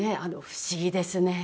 不思議ですね。